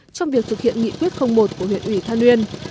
trong việc thực hiện nghị quyết một của huyện